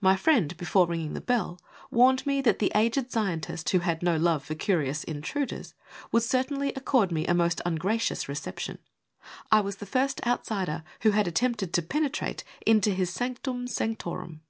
My friend, before ringing the bell, warned me that the aged scientist, who had no love for curious intruders, would certainly accord me a most ungracious reception. I was the first outsider who had attempted to penetrate into his sanctum sanctorum..